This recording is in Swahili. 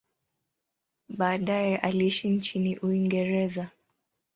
Baadaye aliishi nchini Uingereza.